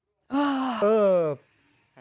น้องมันดีใจ